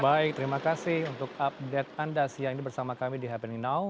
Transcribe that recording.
baik terima kasih untuk update anda siang ini bersama kami di happeny now